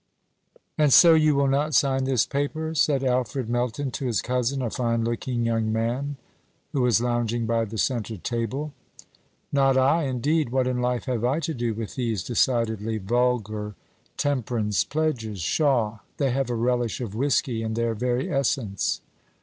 "And so you will not sign this paper?" said Alfred Melton to his cousin, a fine looking young man, who was lounging by the centre table. "Not I, indeed. What in life have I to do with these decidedly vulgar temperance pledges? Pshaw! they have a relish of whiskey in their very essence!"